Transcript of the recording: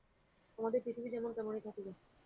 আমাদের পৃথিবী যেমন তেমনই থাকিবে।